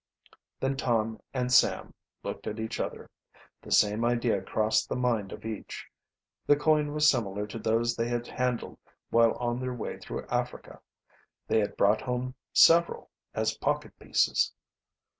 Then Tom and Sam looked at each other. The same idea crossed the mind of each. The coin was similar to those they had handled while on their way through Africa. They had brought home several as pocket pieces.